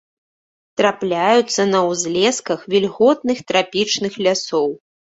Трапляюцца на ўзлесках вільготных трапічных лясоў.